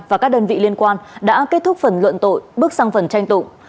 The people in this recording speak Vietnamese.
và các đơn vị liên quan đã kết thúc phần luận tội bước sang phần tranh tụng